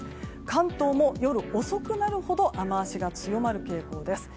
関東も夜遅くなるほど雨脚が強まる傾向です。